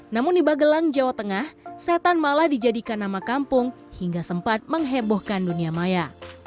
namun di magelang jawa tengah setan malah dijadikan nama kampung hingga sempat menghebohkan dunia maya